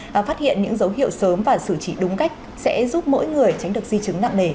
và phát hiện những dấu hiệu sớm và xử trị đúng cách sẽ giúp mỗi người tránh được di chứng nặng nề